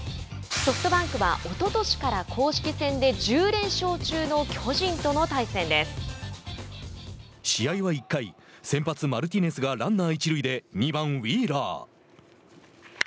ソフトバンクは、おととしから公式戦で１０連勝中の試合は１回先発マルティネスがランナー一塁で２番ウィーラー。